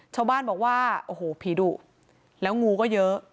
ชาวบ้านบอกว่าโอ้โหผีดุแล้วงูก็เยอะ